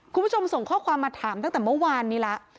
คุณผู้ชมส่งข้อความมาถามตั้งแต่เมื่อวานนี้แล้ว